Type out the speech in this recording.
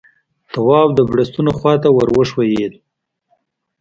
تواب د بړستنو خواته ور وښويېد.